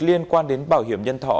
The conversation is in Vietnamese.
liên quan đến bảo hiểm nhân thọ